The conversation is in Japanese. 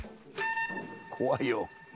怖いよ。